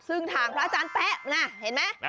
ซึ่งทางพระอาจารย์แป๊ะนะเห็นไหม